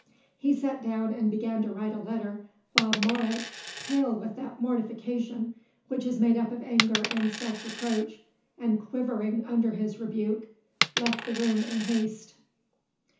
He sat down and began to write a letter, while Moret, pale with that mortification which is made up of anger and self reproach, and quivering under his rebuke, left the room in haste.